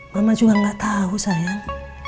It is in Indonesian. mama juga gak tau sayang